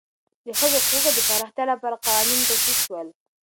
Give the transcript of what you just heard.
د ښځو حقوقو د پراختیا لپاره قوانین تصویب شول.